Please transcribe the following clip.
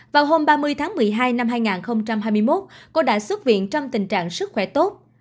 vào hôm ba mươi tháng một mươi hai năm hai nghìn hai mươi một cô đã xuất viện trong tình trạng sức khỏe tốt